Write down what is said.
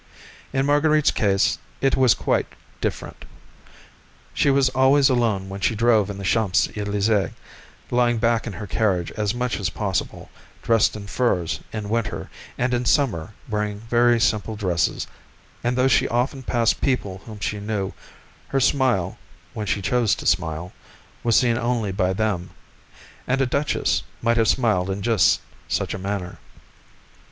In Marguerite's case it was quite different. She was always alone when she drove in the Champs Elysées, lying back in her carriage as much as possible, dressed in furs in winter, and in summer wearing very simple dresses; and though she often passed people whom she knew, her smile, when she chose to smile, was seen only by them, and a duchess might have smiled in just such a manner.